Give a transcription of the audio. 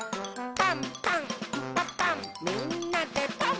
「パンパンんパパンみんなでパン！」